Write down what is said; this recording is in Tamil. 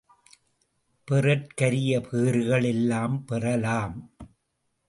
பெறற்கரிய பேறுகள் எல்லாம் பெறலாம்.